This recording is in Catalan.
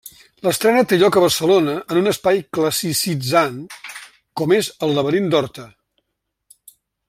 L'estrena té lloc a Barcelona en un espai classicitzant com és el Laberint d'Horta.